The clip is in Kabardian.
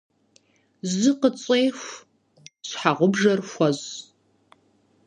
Жьы къытщӏеху, щхьэгъубжэр хуэщӏ.